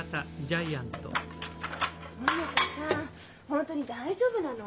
本当に大丈夫なの？